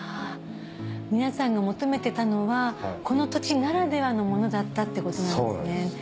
皆さんが求めてたのはこの土地ならではのものだったってことなんですね。